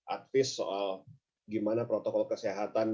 advis soal gimana protokol kesehatan